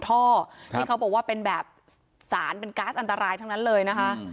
ท่อที่เขาบอกว่าเป็นแบบสารเป็นก๊าซอันตรายทั้งนั้นเลยนะคะ